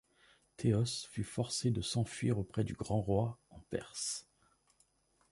Téos fut forcé de s'enfuir auprès du Grand Roi, en Perse.